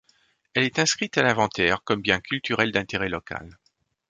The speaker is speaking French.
Elle est inscrite à l'inventaire comme bien culturel d'intérêt local.